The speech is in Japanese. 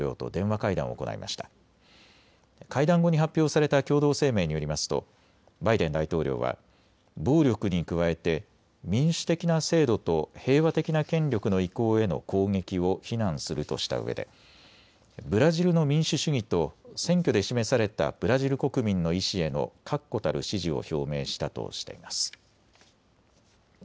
会談後に発表された共同声明によりますとバイデン大統領は暴力に加えて民主的な制度と平和的な権力の移行への攻撃を非難するとしたうえでブラジルの民主主義と選挙で示されたブラジル国民の意思への確固たる支持を表明したとしています。